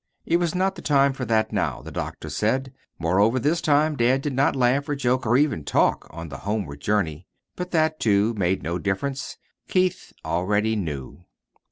It was not the time for that now, the doctors said. Moreover, this time dad did not laugh, or joke, or even talk on the homeward journey. But that, too, made no difference. Keith already knew.